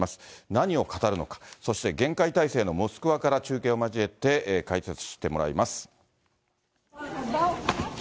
何を語るのか、そして厳戒態勢のモスクワから中継を交えて解説してもらいます。